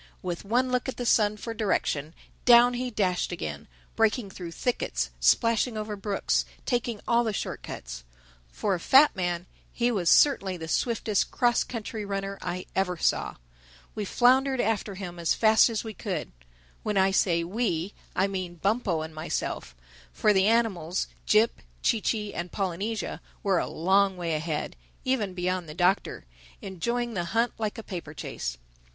With one look at the sun for direction, down he dashed again, breaking through thickets, splashing over brooks, taking all the short cuts. For a fat man, he was certainly the swiftest cross country runner I ever saw. We floundered after him as fast as we could. When I say we, I mean Bumpo and myself; for the animals, Jip, Chee Chee and Polynesia, were a long way ahead—even beyond the Doctor—enjoying the hunt like a paper chase.